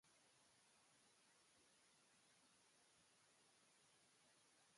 The book won a National Book Prize.